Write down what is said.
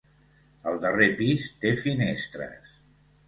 El darrer pis té finestres.